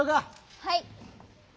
はい。